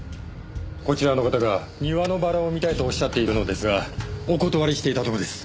こちらの方が庭のバラを見たいとおっしゃっているのですがお断りしていたところです。